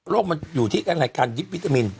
โรคมันอยู่ที่การยิปวิตามิน